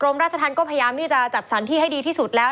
ราชธรรมก็พยายามที่จะจัดสรรที่ให้ดีที่สุดแล้ว